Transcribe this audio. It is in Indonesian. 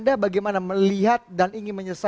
d "t entara mangsa